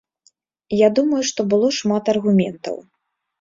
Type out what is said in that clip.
Я думаю, што было шмат аргументаў.